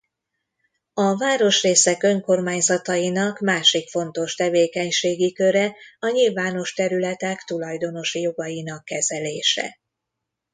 A városrészek önkormányzatainak másik fontos tevékenységi köre a nyilvános területek tulajdonosi jogainak kezelése.